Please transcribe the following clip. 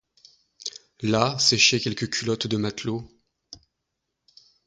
Là séchaient quelques culottes de matelot.